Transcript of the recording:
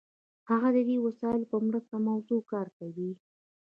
هغه د دې وسایلو په مرسته په موضوع کار کوي.